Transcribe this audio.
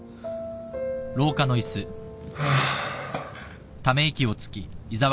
ハァ。